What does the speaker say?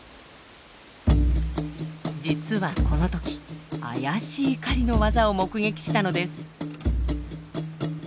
実はこの時妖しい狩りのワザを目撃したのです。